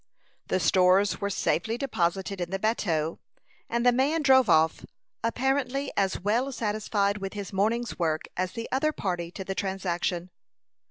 The stores were safely deposited in the bateau, and the man drove off, apparently as well satisfied with his morning's work as the other party to the transaction.